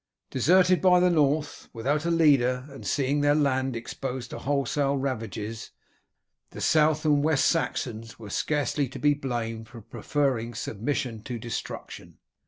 Deserted by the North, without a leader, and seeing their land exposed to wholesale ravages, the South and West Saxons were scarcely to be blamed for preferring submission to destruction.